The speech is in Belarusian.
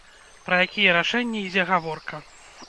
Пра якія рашэнні ідзе гаворка?